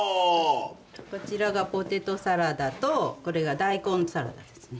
こちらがポテトサラダとこれが大根サラダですね。